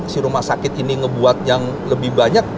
si rumah sakit ini ngebuat yang lebih banyak